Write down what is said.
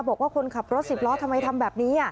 บอกว่าคนขับรถสิบล้อทำไมทำแบบนี้